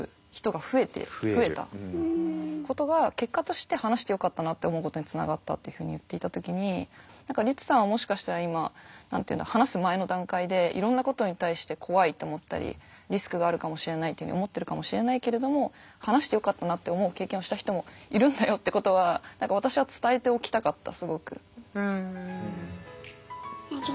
結果として話してよかったなって思うことにつながったっていうふうに言っていた時に何かリツさんはもしかしたら今何て言うんだろう話す前の段階でいろんなことに対して怖いって思ったりリスクがあるかもしれないっていうふうに思ってるかもしれないけれども話してよかったなって思う経験をした人もいるんだよってことは何か私は伝えておきたかったすごく。